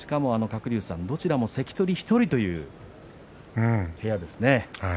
鶴竜さんどちらも関取１人という部屋ですね。